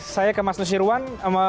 saya ke mas susirwan